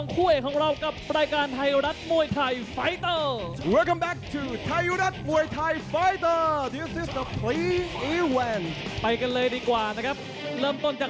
ข้างล่างอีกข้างเป็นพิจิตรประวัติภัย